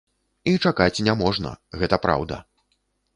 І чакаць не можна, гэта праўда!